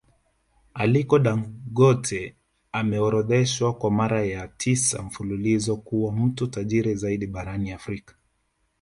Aliko Dangote ameorodheshwa kwa mara ya tisa mfululizo kuwa mtu tajiri zaidi barani Afrika